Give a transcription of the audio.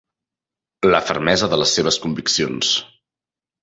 La fermesa de les seves conviccions.